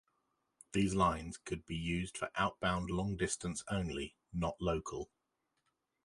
These lines could be used for outbound long-distance only; not local.